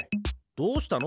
どうしたの？